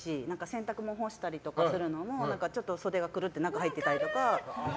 洗濯物干したりとかするのもちょっと袖がくるって中に入ってたりとか。